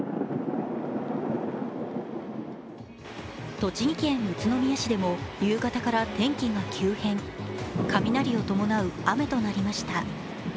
栃木県宇都宮市でも夕方から天気が急変雷を伴う雨となりました。